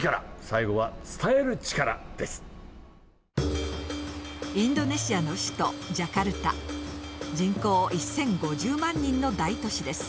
最後はインドネシアの首都人口１，０５０万人の大都市です。